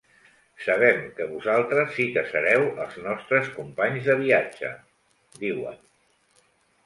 “Sabem que vosaltres sí que sereu els nostres companys de viatge”, diuen.